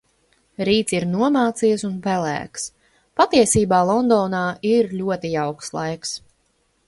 Rīts ir nomācies un pelēks. Patiesībā Londonā ir ļoti jauks laiks.